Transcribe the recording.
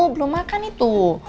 belum makan itu